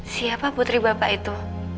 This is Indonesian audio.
siapa putri bapak itu